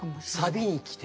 サビに来て。